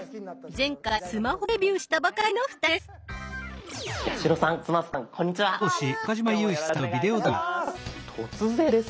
前回スマホデビューしたばかりの２人です。